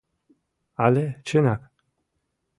Але чынак?